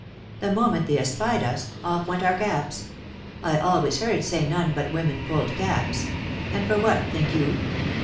The moment they espied us, off went our caps. (I always heard say none but women pulled caps!) And for what, think you?